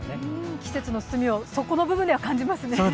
季節の進みをそこの部分では感じますね。